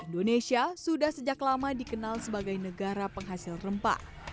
indonesia sudah sejak lama dikenal sebagai negara penghasil rempah